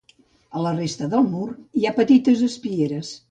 A la resta del mur hi ha petites espieres.